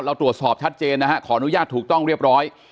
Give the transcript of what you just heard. เราตรวจสอบชัดเจนนะฮะขออนุญาตถูกต้องเรียบร้อย